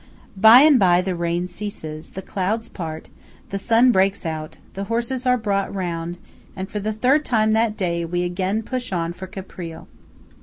By and by the rain ceases; the clouds part; the sun breaks out; the horses are brought round; and for the third time that day, we again push on for Caprile.